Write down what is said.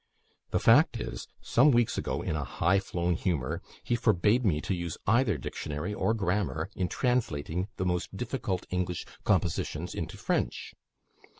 The fact is, some weeks ago, in a high flown humour, he forbade me to use either dictionary or grammar in translating the most difficult English compositions into French.